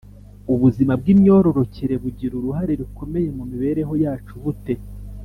Ubuzima bw’imyororokere bugira uruhare rukomeye mu mibereho yacu bute?